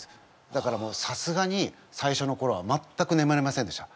だからさすがに最初のころは全くねむれませんでした。